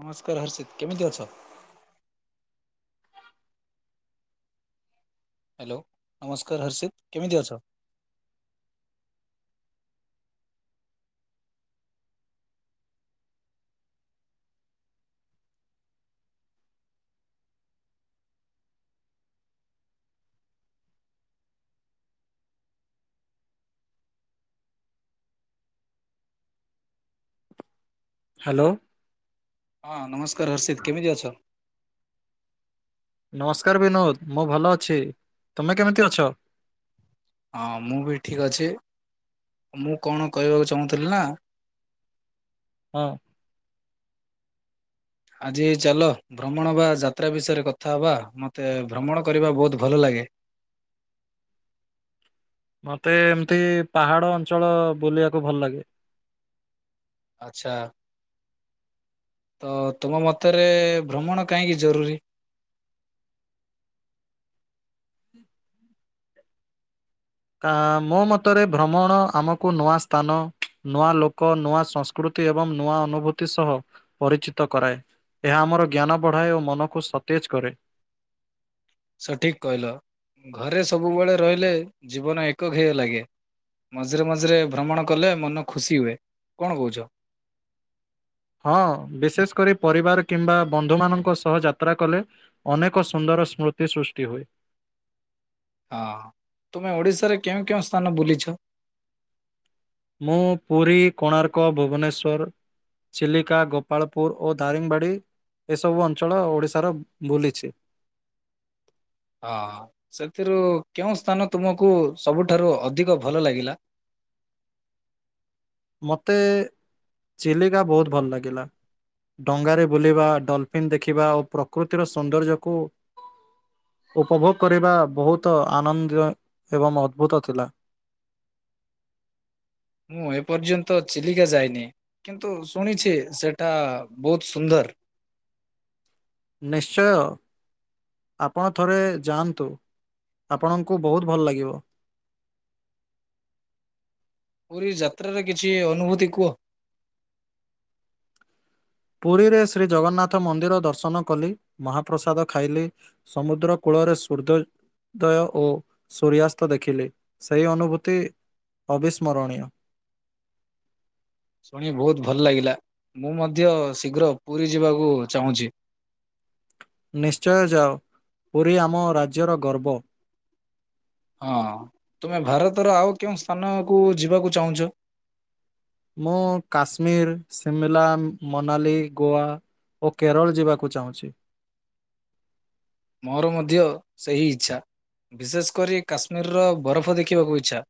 ନମସ୍କାର ହର୍ଷିତ କେମିତି ଅଛ। ହ୍ୟାଲୋ ନମସ୍କାର ହର୍ଷିତ କେମିତି ଅଛ? ହ୍ୟାଲୋ। ହଁ ନମସ୍କାର ହର୍ଷିତ କେମିତି ଅଛ? ନମସ୍କାର ବିନୋଦ, ମୁଁ ଭଲ ଅଛି ତମେ କେମିତି ଅଛ? ହଁ ମୁଁ ବି ଠିକ୍ ଅଛି। ମୁଁ କଣ କହିବାକୁ ଚାହୁଁଥିଲି ନା ହଁ। ଆଜି ଚାଲ। ଭ୍ରମଣ ବା ଯାତ୍ରା ବିଷୟରେ କଥା ହେବା। ମୋତେ ଭ୍ରମଣ କରିବା ବହୁତ ଭଲ ଲାଗେ। ମତେ ଏମିତି ପାହାଡ ଅଞ୍ଚଳ ବୁଲିବାକୁ ଭଲ ଲାଗେ। ଆଛା ତ ତୁମ ମତରେ ଭ୍ରମଣ କାହିଁକି ଜରୁରୀ। ତା ମୋ ମତରେ ଭ୍ରମଣ ଆମକୁ ନୂଆ ସ୍ଥାନ ନୂଆ ଲୋକ ନୂଆ ସଂସ୍ ପ୍କୃତି ଏବଂ ନୂଆ ଅନୁଭୂତି ସହ ପରିଚିତ କରାଏ। ଏହା ଆମର ଜ୍ଞାନ ବଢ଼ାଏ ଓ ମନକୁ ସତେଜ କରେ। ସଠିକ କହିଲ ଘରେ ସବୁବେଳେ ରହିଲେ ଜୀବନ ଏକକ ହେଅ ଲାଗେ। ମଝିରେ ମଝିରେ ଭ୍ରମଣ କଲେ ମନ ଖୁସି ହୁଏ। କଣ କହୁଛ? ହଁ ବିଶେଷ କରି ପରିବାର କିମ୍ବା ବନ୍ଧୁମାନଙ୍କ ସହ ଯାତ୍ରା କଲେ। ଅନେକ ସୁନ୍ଦର ସ୍ମୃତି ସୃଷ୍ଟି ହୁଏ। ହଁ ତୁମେ ଓଡିଶାରେ କେଉଁ କେଉଁ ସ୍ଥାନ ବୁଲିଛ? ମୁଁ ପୁରୀ କୋଣାର୍କ ଭୁବନେଶ୍ୱର। ଚିଲିକା ଗୋପାଳପୁର ଓ ଦାରିଙ୍ଗବାଡ଼ି। ଏସବୁ ଅଞ୍ଚଳ ଓଡ଼ିଶାର ବୁଲିଛି। ହଁ ସେଥିରୁ କେଉଁ ସ୍ଥାନ ତୁମକୁ ସବୁଠାରୁ ଅଧିକ ଭଲ ଲାଗିଲା? ମୋତେ ଚିଲିକା ବହୁତ ଭଲ ଲାଗିଲା। ଡଙ୍ଗାରେ ବୁଲିବା ଡଲଫିନ୍ ଦେଖିବା ଓ ପ୍ରକୃତିର ସୌନ୍ଦର୍ଯ୍ୟକୁ ଉପଭୋଗ କରିବା ବହୁତ ଆନନ୍ଦ ଏବଂ ଅଦ୍ଭୁତ ଥିଲା। ମୁଁ ଏପର୍ଯ୍ୟନ୍ତ ଚିଲିକା ଯାଇନି କିନ୍ତୁ ଶୁଣିଛି ସେଟା ବହୁତ ସୁନ୍ଦର। ନିଶ୍ଚୟ। ଆପଣ ଥରେ ଯାଆନ୍ତୁ ଆପଣଙ୍କୁ ବହୁତ ଭଲ ଲାଗିବ। ପୁରୀ ଯାତ୍ରାରେ କିଛି ଅନୁଭୂତି କୁହ? ପୁରୀରେ ଶ୍ରୀ ଜଗନ୍ନାଥ ମନ୍ଦିର ଦର୍ଶନ କଲି। ମହାପ୍ରସାଦ ଖାଇଲି। ସମୁଦ୍ର କୂଳରେ ସୂର୍ଯ୍ୟ ଦୟ ଓ ସୂରିୟାସ୍ତ ଦେଖିଲେ ସେଇ ଅନୁଭୂତି ଅବିସ୍ମରଣୀୟ। ଶୁଣି ବହୁତ ଭଲ ଲାଗିଲା। ମୁଁ ମଧ୍ୟ ଶୀଘ୍ର ପୁରୀ ଯିବାକୁ ଚାହୁଁଛି। ନିଶ୍ଚୟ ଯାଅ ପୁରୀ ଆମ ରାଜ୍ୟର ଗର୍ବ। ହଁ ତୁମେ ଭାରତର ଆଉ କେଉଁ ସ୍ଥାନ କୁ ଯିବାକୁ ଚାହୁଁଛ। ମୁଁ କାଶ୍ମୀର ଶିମଲା ମନାଲି ଗୋଆ ଓ କେରଳ ଯିବାକୁ ଚାହୁଁଛି। ମୋର ମଧ୍ୟ ସେହି ଇଚ୍ଛା ବିଶେଷ କରି କାଶ୍ମୀରର ବରଫ ଦେଖିବାକୁ ଇଚ୍ଛା।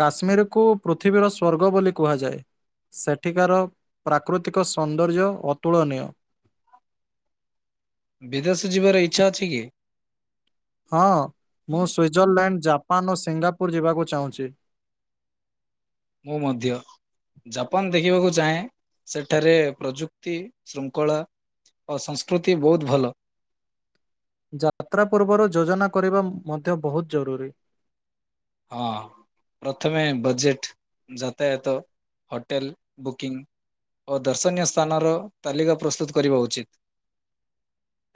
କାଶ୍ମୀରକୁ ପୃଥିବୀର ସ୍ଵର୍ଗ ବୋଲି କୁହାଯାଏ। ସେଠିକାର ପ୍ରାକୃତିକ ସୌନ୍ଦର୍ଯ୍ୟ ଅତୁଳନୀୟ। ବିଦେଶ ଯିବାର ଇଚ୍ଛା ଅଛି କି? ହଁ ମୁଁ ସୁଇଜରଲ୍ୟାଣ୍ଡ ଜାପାନ ଓ ସିଙ୍ଗାପୁର ଯିବାକୁ ଚାହୁଁଛି। ମୁଁ ମଧ୍ୟ। ଜାପାନ ଦେଖିବାକୁ ଚାହେଁ। ସେଠାରେ ପ୍ରଯୁକ୍ତି ଶୃଙ୍ଖଳା ଓ ସଂସ୍କୃତି ବହୁତ ଭଲ। ଯାତ୍ରା ପୂର୍ବରୁ ଯୋଜନା କରିବା ମଧ୍ୟ ବହୁତ ଜରୁରୀ। ହଁ। ପ୍ରଥମେ ବଜେଟ୍ ଯାତାୟାତ ହୋଟେଲ ବୁକିଂ ଓ ଦର୍ଶନୀୟ ସ୍ଥାନର ତାଲିକା ପ୍ରସ୍ତୁତ କରିବା ଉଚିତ୍।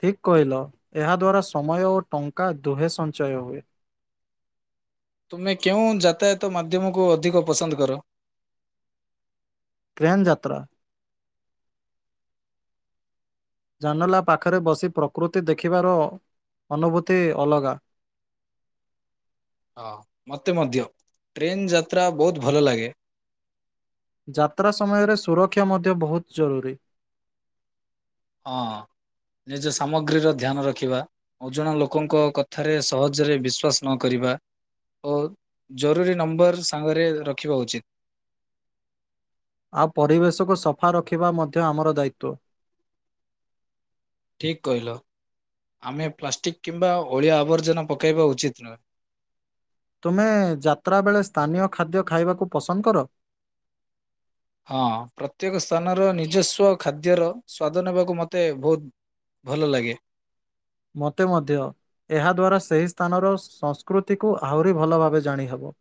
ଠିକ୍ କହିଲ ଏହା ଦଵାରା ସମୟ ଓ ଟଙ୍କା ଦୁହେଁ ସଞ୍ଚୟ ହୁଏ। ତୁମେ କେଉଁ ଯାତାୟାତ ମାଧ୍ୟମକୁ ଅଧିକ ପସନ୍ଦ କର। ଟ୍ରେନ୍ ଯାତ୍ରା। ଜାନଲା ପାଖରେ ବସି ପ୍ରକୃତି ଦେଖିବାର ଅନୁଭୂତି ଅଲଗା। ହଁ ମତେ ମଧ୍ୟ ଟ୍ରେନ ଯାତ୍ରା ବହୁତ ଭଲ ଲାଗେ। ଯାତ୍ରା ସମୟରେ ସୁରକ୍ଷା ମଧ୍ୟ ବହୁତ ଜରୁରୀ। ହଁ ନିଜ ସାମଗ୍ରୀର ଧ୍ୟାନ ରଖିବା। ଅଜଣା ଲୋକଙ୍କ କଥାରେ ସହଜରେ ବିଶ୍ଵାସ ନକରିବା। ଓ ଜରୁରୀ ନମ୍ବର ସାଙ୍ଗରେ ରଖିବା ଉଚିତ। ଆଉ ପରିବେଶକୁ ସଫା ରଖିବା ମଧ୍ୟ ଆମର ଦାୟିତଵ। ଠିକ୍ କହିଲ ଆମେ ପ୍ଲାଷ୍ଟିକ୍ କିମ୍ବା ଅଳିଆ ଆବର୍ଜନା ପକାଇବା ଉଚିତ୍ ନୁହେଁ। ତୁମେ ଯାତ୍ରା ବେଳେ ସ୍ଥାନୀୟ ଖାଦ୍ୟ ଖାଇବାକୁ ପସନ୍ଦ କର? ହଁ ପ୍ରତ୍ୟେକ ସ୍ଥାନର ନିଜସ୍ୱ ଖାଦ୍ୟର ସ୍ଵାଦ ନେବାକୁ ମୋତେ ବହୁତ ଭଲ ଲାଗେ। ମୋତେ ମଧ୍ୟ। ଏହା ଦ୍ୱାରା ସେହି ସ୍ଥାନର ସଂସ୍କୃତିକୁ ଆହୁରି ଭଲ ଭାବେ ଜାଣି ହେବ।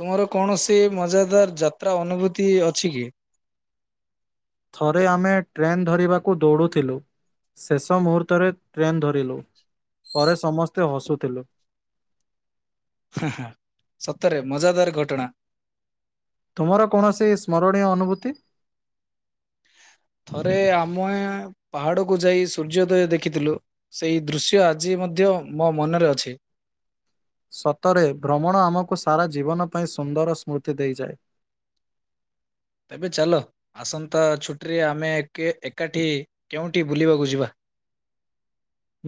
ତୁମର କୌଣସି ମଜାଦାର ଯାତ୍ରା ଅନୁଭୂତି ଅଛି କି? ଥରେ ଆମେ ଟ୍ରେନ ଧରିବାକୁ ଦୌଡୁଥିଲୁ। ଶେଷ ମୁହୂର୍ତ୍ତରେ ଟ୍ରେନ୍ ଧରିଲୁ। ପରେ ସମସ୍ତେ ହସୁଥିଲୁ। ହାଁ ହାଁ ସତରେ ମଜାଦାର ଘଟଣା। ତୁମର କୌଣସି ସ୍ମରଣୀୟ ଅନୁଭୂତି? ଥରେ ଆମଏ ପାହାଡ଼କୁୁ ଯାଇ ସୂର୍ଯ୍ୟୋଦୟ ଦେଖିଥିଲୁ। ସେଇ ଦୃଶ୍ୟ ଆଜି ମଧ୍ୟ ମୋ ମନରେ ଅଛି। ସତରେ ଭ୍ରମଣ ଆମକୁ ସାରା ଜୀବନ ପାଇଁ ସୁନ୍ଦର ସ୍ମୃତି ଦେଇଯାଏ। ତେବେ ଚାଲ ଆସନ୍ତା ଛୁଟିରେ ଆମେ ଏକେ ଏକାଠି କେଉଁଠି ବୁଲିବାକୁ ଯିବା।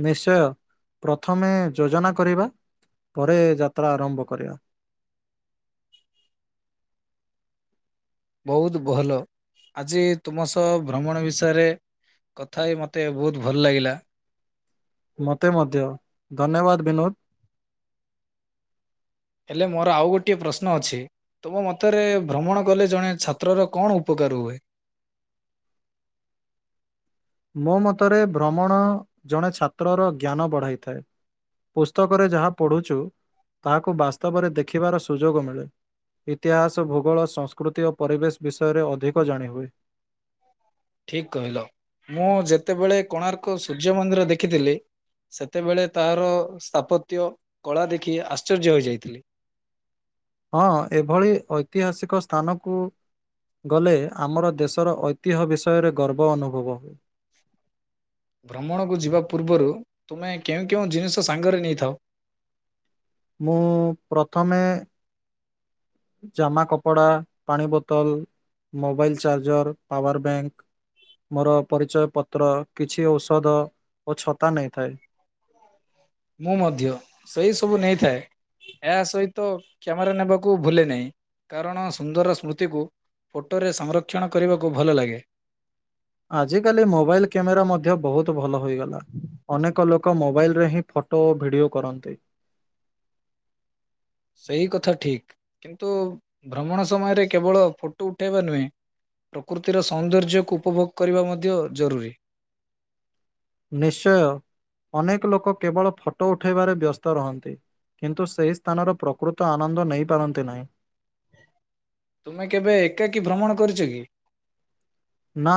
ନିଶ୍ଚୟ ପ୍ରଥମେ ଯୋଜନା କରିବା। ପରେ ଯାତ୍ରା ଆରମ୍ଭ କରିବା। ବହୁତ ଭଲ ଆଜି ତୁମ ସହ ଭ୍ରମଣ ବିଷୟରେ କଥା ହେଇ ମୋତେ ବହୁତ ଭଲ ଲାଗିଲା। ମୋତେ ମଧ୍ୟ ଧନ୍ୟବାଦ ବିନୋଦ। ହେଲେ ମୋର ଆଉ ଗୋଟିଏ ପ୍ରଶ୍ନ ଅଛି। ତମ ମତରେ ଭ୍ରମଣ କଲେ, ଜଣେ ଛାତ୍ରର କଣ ଉପକାର ହୁଏ? ମୋ ମତରେ ଭ୍ରମଣ ଜଣେ ଛାତ୍ରର ଜ୍ଞାନ ବଢ଼ାଇଥାଏ। ପୁସ୍ତକରେ ଯାହା ପଢ଼ୁଛୁ ତାହାକୁ ବାସ୍ତବରେ ଦେଖିବାର ସୁଯୋଗ ମିଳେ। ଇତିହାସ, ଭୂଗୋଳ, ସଂସ୍କୃତି ଓ ପରିବେଶ ବିଷୟରେ ଅଧିକ ଜାଣିହୁଏ। ଠିକ୍ କହିଲ ମୁଁ ଯେତେବେଳେ କୋଣାର୍କ ସୂର୍ଯ୍ୟ ମନ୍ଦିର ଦେଖିଥିଲି। ସେତେବେଳେ ତାହାର ସ୍ଥାପତ୍ୟ, କଳା ଦେଖି ଆଶ୍ଚର୍ଯ୍ୟ ହୋଇଯାଇଥିଲି। ହଁ ଏଭଳି ଐତିହାସିକ ସ୍ଥାନକୁ। ଗଲେ ଆମର ଦେଶର ଐତିହ୍ୟ ବିଷୟରେ ଗର୍ବ ଅନୁଭବ ହୁଏ। ଭ୍ରମଣକୁ ଯିବା ପୂର୍ବରୁ ତୁମେ କେଉଁ କେଉଁ ଜିନିଷ ସାଙ୍ଗରେ ନେଇଥାଅ? ମୁଁ ପ୍ରଥମେ ଜାମା-କପଡା, ପାଣି ବୋତଲ ମୋବାଇଲ ଚାର୍ଜର ପାୱାର ବ୍ୟାଙ୍କ। ମୋର ପରିଚୟ ପତ୍ର କିଛି ଔଷଧ ଓ ଛତା ନେଇଥାଏ। ମୁଁ ମଧ୍ୟ ସେଇ ସବୁ ନେଇଥାଏ। ଏହା ସହିତ କ୍ୟାମେରା ନେବାକୁ ଭୁଲେ ନାହିଁ କାରଣ ସୁନ୍ଦର ସ୍ମୃତିକୁ। ଫୋଟୋରେ ସଂରକ୍ଷଣ କରିବାକୁ ଭଲ ଲାଗେ। ଆଜିକାଲି ମୋବାଇଲ କ୍ୟାମେରା ମଧ୍ୟ ବହୁତ ଭଲ ହୋଇଗଲା। ଅନେକ ଲୋକ ମୋବାଇଲରେ ହିଁ ଫଟୋ ଓ ଭିଡ଼ିଓ କରନ୍ତି। ସେଇ କଥା ଠିକ୍ କିନ୍ତୁ ଭ୍ରମଣ ସମୟରେ କେବଳ ଫଟୋ ଉଠେଇବା ନୁହେଁ। ପ୍ରକୃତିର ସୌନ୍ଦର୍ଯ୍ୟକୁ ଉପଭୋଗ କରିବା ମଧ୍ୟ ଜରୁରୀ। ନିଶ୍ଚୟ ଅନେକ ଲୋକ କେବଳ ଫଟୋ ଉଠାଇବାରେ ବ୍ୟସ୍ତ ରହନ୍ତି। କିନ୍ତୁ ସେହି ସ୍ଥାନର ପ୍ରକୃତ ଆନନ୍ଦ ନେଇ ପାରନ୍ତି ନାହିଁ। ତୁମେ କେବେ ଏକାକୀ ଭ୍ରମଣ କରିଛ କି? ନା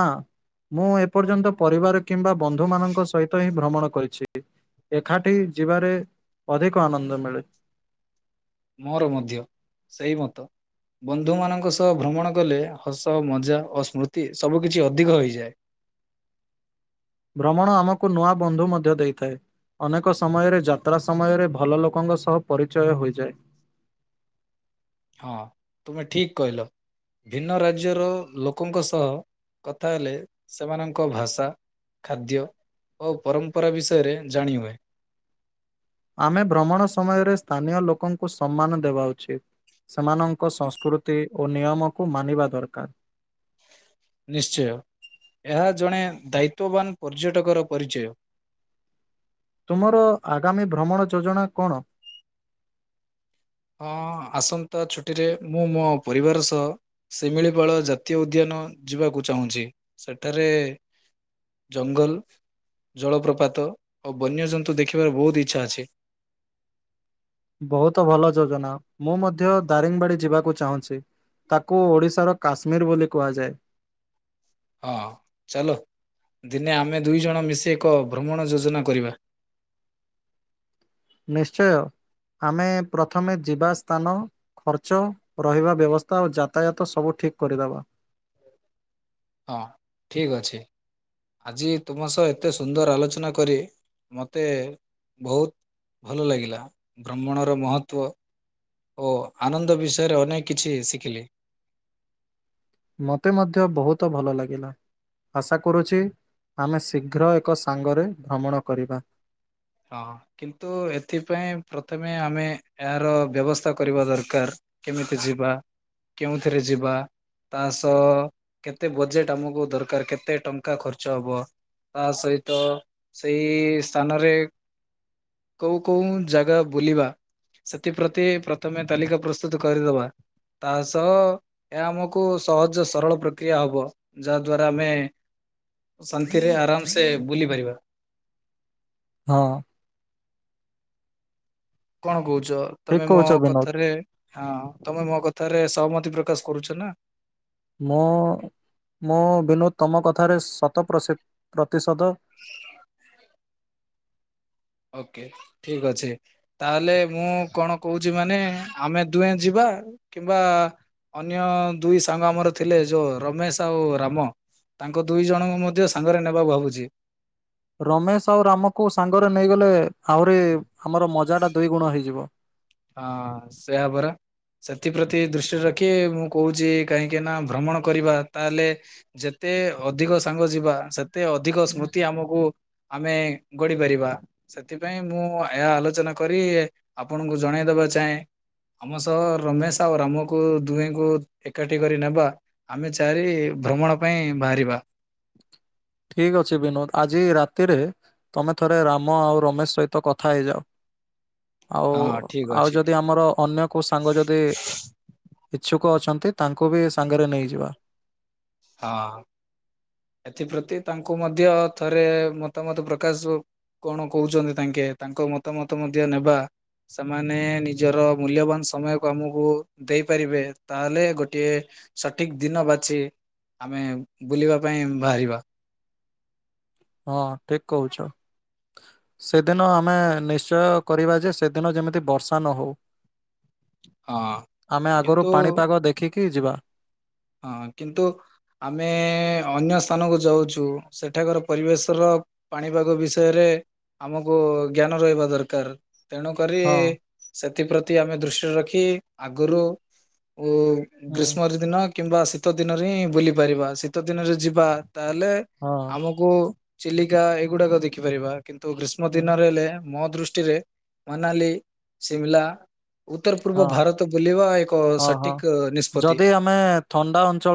ମୁଁ ଏପର୍ଯ୍ୟନ୍ତ ପରିବାର କିମ୍ବା ବନ୍ଧୁ ମାନଙ୍କ ସହିତ ହିଁ। ଭ୍ରମଣ କରିଛି। ଏକାଠି ଯିବାରେ ଅଧିକ ଆନନ୍ଦ ମିଳେ। ମୋର ମଧ୍ୟ ସେଇ ମତ। ବନ୍ଧୁମାନଙ୍କ ସହ ଭ୍ରମଣ କଲେ ହସ ମଜା ଓ ସ୍ମୃତି ସବୁ କିିଛି ଅଧିକ ହେଇଯାଏ। ଭ୍ରମଣ ଆମକୁ ନୂଆ ବନ୍ଧୁ ମଧ୍ୟ ଦେଇଥାଏ। ଅନେକ ସମୟରେ ଯାତ୍ରା ସମୟରେ ଭଲ ଲୋକଙ୍କ ସହ ପରିଚୟ ହୋଇଯାଏ। ହଁ ତୁମେ ଠିକ୍ କଇଲ। ଭିନ୍ନ ରାଜ୍ୟର ଲୋକଙ୍କ ସହ କଥା ହେଲେ ସେମାନଙ୍କ ଭାଷା। ଖାଦ୍ୟ ଓ ପରମ୍ପରା ବିଷୟରେ ଜାଣି ହୁଏ। ଆମେ ଭ୍ରମଣ ସମୟରେ ସ୍ଥାନୀୟ ଲୋକଙ୍କୁ ସମ୍ମାନ ଦେବା ଉଚିତ୍। ସେମାନଙ୍କ ସଂସ୍କୃତି ଓ ନିୟମକୁ ମାନିବା ଦରକାର। ନିଶ୍ଚୟ ଏହା ଜଣେ ଦାୟିତ୍ଵବାନ ପର୍ଯ୍ୟଟକର ପରିଚୟ। ତୁମର ଆଗାମୀ ଭ୍ରମଣ ଯୋଜନା କଣ? ହଁ ଆସନ୍ତା ଛୁଟିରେ ମୁଁ ମୋ ପରିବାର ସହ ଶିମିଳିପାଳ ଜାତୀୟ ଉଦ୍ୟାନ ଯିବାକୁ ଚାହୁଁଚି। ସେଠାରେ- ଜଙ୍ଗଲ, ଜଳପ୍ରପାତ ଓ ବନ୍ୟଜନ୍ତୁ ଦେଖିବାକୁ ବହୁତ ଇଚ୍ଛା ଅଛି। ବହୁତ ଭଲ ଯୋଜନା ମୁଁ ମଧ୍ୟ ଦାରିଙ୍ଗବାଡି ଯିବାକୁ ଚାହୁଁଚି। ତାକୁ ଓଡ଼ିଶାର କାଶ୍ମୀରି ବୋଲି କୁହାଯାଏ। ହଁ ଚାଲ ଦିନେ ଆମେ ଦୁଇ ଜଣ ମିଶି ଏକ ଭ୍ରମଣ ଯୋଜନା କରିବା। ନିଶ୍ଚୟ, ଆମେ ପ୍ରଥମେ ଯିବା ସ୍ଥାନ- ଖର୍ଚ୍ଚ ରହିବା ବ୍ୟବସ୍ଥା ଆଉ ଯାତାୟାତ ସବୁ ଠିକ୍ କରିଦେବା। ହଁ ଠିକ୍ ଅଛି। ଆଜି ତୁମ ସହ ଏତେ ସୁନ୍ଦର ଆଲୋଚନା କରି ମତେ ବହୁତ୍- ଭଲ ଲାଗିଲା ଭ୍ରମଣର ମହତ୍ଵ। ଓ ଆନନ୍ଦ ବିଷୟରେ ଅନେକ କିଛି ଶିଖିଲି। ମତେ ମଧ୍ୟ ବହୁତ ଭଲ ଲାଗିଲା। ଆଶା କରୁଛି ଆମେ ଶୀଘ୍ର ଏକ ସାଙ୍ଗରେ ଭ୍ରମଣ କରିବା। ହଁ କିନ୍ତୁ ଏଥିପାଇଁ ପ୍ରଥମେ ଆମେ ଏହାର ବ୍ୟବସ୍ଥା କରିବା ଦରକାର। କେମିତି ଯିବା, କେଉଁଥିରେ ଯିବା? ତା ସ-ଅ-ଅ-ଅ କେତେ ବଜେଟ୍ ଆମକୁ ଦରକାର କେତେ ଟଙ୍କା ଖର୍ଚ୍ଚ ହବ। ତା ସହିତ ସେଇ ସ୍ଥାନରେ କୋଉ କୋଉଁ ଜାଗା ବୁଲିବା ସେଥିପ୍ରତି ପ୍ରଥମେ ତାଲିକା ପ୍ରସ୍ତୁତ କରିଦବା। ତା ସହ ଏହା ଆମକୁ ସହଜ ସରଳ ପ୍ରକ୍ରିୟା ହବ ଯାହା ଦ୍ଵାରା ଆମେ ଶନ୍ତିରେ ଆରାମ୍ ସେ ବୁଲି ପାରିବା। ହଁ। କଣ କହୁଚ ଠିକ ତମେ ମୋ କହୁଛ ବିନୋଦ। କଥାରେ ହଁ ତମେ ମୋ କଥାରେ ସହମତି ପ୍ରକାଶ କରୁଛ ନା। ମୋ-ଓ-ଓ ମୋ ବିନୋଦ ତମ କଥାରେ ଶତ ପ୍ରଶିତ୍ ପ୍ରତିଶଦ। [unintelligible] ଓ କେ ଠିକ୍ ଅଛି। ତା ହେଲେ ମୁଁ କଣ କହୁଛି ମାନେ ଆମେ ଦୁହେଁ ଯିବା କିମ୍ବା-ଆ-ଆ-ଆ ଅନ୍ୟ ଦୁଇ ସାଙ୍ଗ ଆମର ଥିଲେ ଯୋଉ ରମେଶ ଆଉ ରାମ। ତାଙ୍କ ଦୁଇ ଜଣଙ୍କୁ ମଧ୍ୟ ସାଙ୍ଗରେ ନେବା ଭାବୁଚି। ରମେଶ ଆଉ ରାମକୁ ସାଙ୍ଗରେ ନେଇଗଲେ ଏ ଆହୁରି ଆମର ମଜାଟା ଦୁଇ ଗୁଣ ହୋଇଯିବ। ହଁ-ଅ-ଅ ସେଇଆ ପରା। ସେଥିପ୍ରତି ଦୃଷ୍ଟିରେ ରଖି ମୁଁ କହୁଛି କାହିଁକି ନା ଭ୍ରମଣ କରିବା ତା ହେଲେ ଯେତେ ଅଧିକ ସାଙ୍ଗ ଯିବା ସେତେ ଅଧିକ ସ୍ମୃତି ଆମକୁ ଆମେ ଗଡି ପାରିବା ସେଥିପାଇଁ ମୁଁ ଏହା ଆଲୋଚନା କରି ଆପଣ ଙ୍କୁ ଜଣେଇ ଦେବା ଚାହେଁ। ଆମ ସହ ରମେଶ ଆଉ ରାମକୁ ଦୁହେଙ୍କୁ ଏକାଠି କରି ନେବା। ଆମେ ଚାରି ଭ୍ରମଣ ପାଇଁ ବାହାରିବା। ଠିକ୍ ଅଛି ବିନୋଦ ଆଜି ରାତିରେ ତମେ ଥରେ ରାମ ଆଉ ରମେଶ ସହିତ କଥା ହେଇଯାଅ। ଆଉ ହଁ ଠିକ ଆଉ ଅଛି ଯଦି ଆମର ଅନ୍ୟ କୋଉ ସାଙ୍ଗ ଯଦି ଇଚ୍ଛୁକ ଅଛନ୍ତି ତାଙ୍କୁ ବି ସାଙ୍ଗରେ ନେଇଯିବା। ହଁ। ଏଥିପ୍ରତି ତାଙ୍କୁ ମଧ୍ୟ ଥରେ ମତାମତ ପ୍ରକାଶ କଣ କହୁଛନ୍ତି ତାଙ୍କେ ତାଙ୍କ ମତାମତ ମଧ୍ୟ ନେବା। ସେମାନେ ନିଜର ମୂଲ୍ୟବାନ ସମୟକୁ ଆମକୁ ଦେଇପାରିବେ ତା ହେଲେ ଗୋଟିଏ ସଠିକ୍ ଦିନ ବାଛି ଆମେ ବୁଲିବା ପାଇଁ ବାହାରିବା। ହଁ ଠିକ୍ କହୁଚ। ସେଦିନ ଆମେ ନିଶ୍ଚୟ କରିବା ଯେ ସେଦିନ ଯେମିତି ବର୍ଷା ନହଉ। ହଁ ଆମେ ଆଗରୁ କିନ୍ତୁ ପାଣିପାଗ ଦେଖିକି ଯିବା। ହଁ କିନ୍ତୁ ଆମେ-ଏ-ଏ-ଏ ଅନ୍ୟ ସ୍ଥାନକୁ ଯାଉଛୁ ସେଠାକାର ପରିବେଶର ପାଣିପାଗ ବିଷୟରେ ଆମକୁ ଜ୍ଞାନ ରହିବା ଦରକାର। ହଁ, ତେଣୁକରି-ଇ-ଇ ସେଥିପ୍ରତି ଆମେ ଦୃଷ୍ଟିରେ ରଖି ଆଗରୁ ଉ-ଉ-ଉ ହୁଁ, ଗ୍ରୀଷ୍ମ ଦିନ କିମ୍ବା ଶୀତ ଦିନରେ ହିଁ ବୁଲି ପାରିବା ଶୀତ ଦିନରେ ଯିବା ତାହେଲେ ହଁ, ଆମକୁ ଚିଲିକା ଏଇଗୁଡାକ ଦେଖିପାରିବା। କିନ୍ତୁ ଗ୍ରୀଷ୍ମ ହୁଁ, ଦିନରେ ହେଲେ ମୋ ଦୃଷ୍ଟିରେ ମନାଲି, ସିମ୍ଲା। ଉତ୍ତର ପୂର୍ବ ହଁ, ଭାରତ ବୁଲିବା ଏକ ସଠିକ ନିଷ୍ପତି। ମେ-ଏ-ଏ-ଏ ଥଣ୍ଡା ଅଞ୍ଚଳ